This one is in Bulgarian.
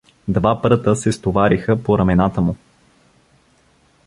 Два пръта се стовариха по рамената му.